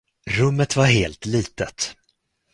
Rummet var helt litet.